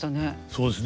そうですね。